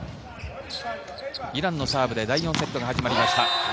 イランのサーブで第４セットが始まりました。